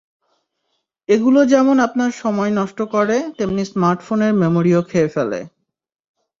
এগুলো যেমন আপনার সময় নষ্ট করে, তেমনি স্মার্টফোনের মেমোরিও খেয়ে ফেলে।